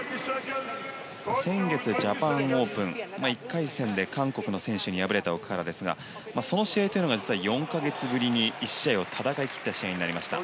先月、ジャパンオープン１回戦で韓国の選手に敗れた奥原ですがその試合が、実は４か月ぶりに１試合を戦い切った試合になりました。